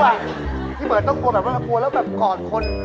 ที่เหมือนต้องกลบแบบนั้นแล้วแบบกอดคน